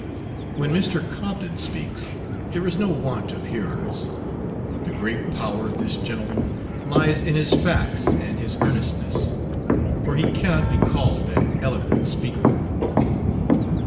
When Mr. Cobden speaks, there is no want of hearers. The great power of this gentleman lies in his facts and his earnestness, for he cannot be called an eloquent speaker.